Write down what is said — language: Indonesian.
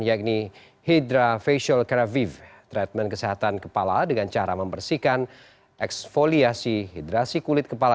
yakni hidra facial careviv treatment kesehatan kepala dengan cara membersihkan eksfoliasi hidrasi kulit kepala